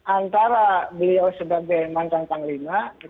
antara beliau sebagai mantan panglima